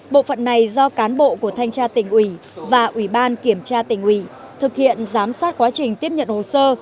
bộ phận này do cán bộ của thanh tra tỉnh ủy và ủy ban kiểm tra tỉnh ủy thực hiện giám sát quá trình tiếp nhận hồ sơ